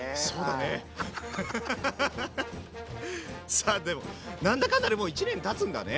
さあでも何だかんだでもう１年たつんだね。